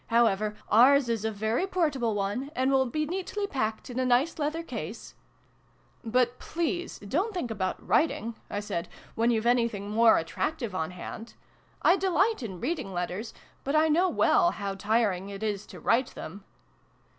How ever, ours is a very portable one ; and will be neatly packed, in a nice leather case "But please don't think about writing" I said, " when you've anything more attractive on hand. I delight in reading letters, but I know well how tiring it is to write them.'